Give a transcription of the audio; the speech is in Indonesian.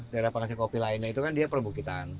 daerah penghasil kopi lainnya itu kan dia perbukitan